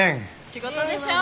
仕事でしょ。